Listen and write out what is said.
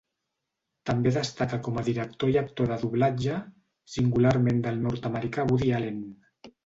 També destaca com a director i actor de doblatge, singularment del nord-americà Woody Allen.